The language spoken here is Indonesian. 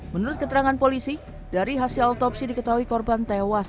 menurut keterangan polisi dari hasil otopsi diketahui korban tewas